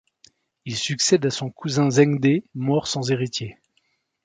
Il succède à son cousin Zhengde, mort sans héritier.